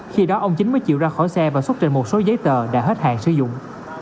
khi đó ông chính mới chịu ra khỏi xe và xuất trình một số giấy tờ đã hết hạn sử dụng